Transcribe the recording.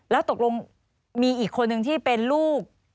แล้วตกลงมีอีกคนนึงที่เป็นลูก